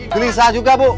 gelisah juga bu